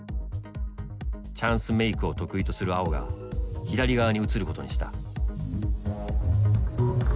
チャンスメイクを得意とする碧が左側に移ることにした。